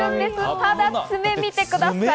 ただ、爪を見てください。